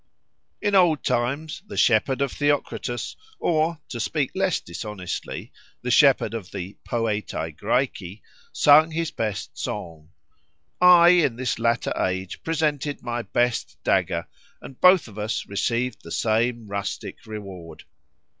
In old times the shepherd of Theocritus, or (to speak less dishonestly) the shepherd of the "Poetæ Græci," sung his best song; I in this latter age presented my best dagger, and both of us received the same rustic reward.